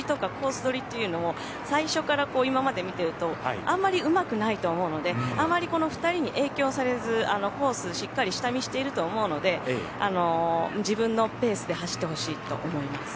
取りというのを最初から今まで見てるとあんまりうまくないと思うのであまりこの２人に影響されずコースしっかり下見していると思うので自分のペースで走ってほしいと思います。